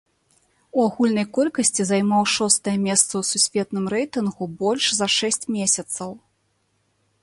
У агульнай колькасці займаў шостае месца ў сусветным рэйтынгу больш за шэсць месяцаў.